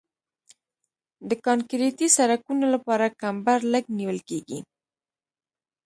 د کانکریټي سرکونو لپاره کمبر لږ نیول کیږي